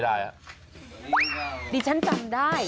ดิฉันจำได้